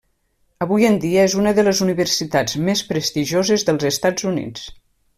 Avui en dia és una de les universitats més prestigioses dels Estats Units.